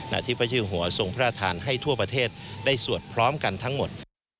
นาทิพัชธิหัวส่งพระราชทานให้ทั่วประเทศได้สวดพร้อมกันทั้งหมด